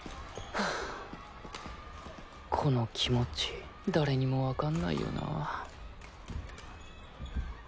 この気持ち誰にもわかんないよな。